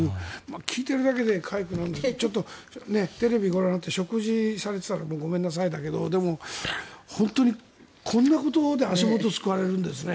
聞いてるだけでかゆくなるのでちょっとテレビをご覧になって食事をされていたらごめんなさいだけどでも、本当にこんなことで足元をすくわれるんですね。